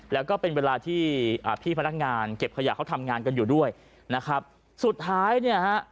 แล้วก็เป็นเวลาที่อ่าพี่พนักงานเก็บขยะเขาทำงานกันอยู่ด้วยนะครับสุดท้ายเนี่ยฮะ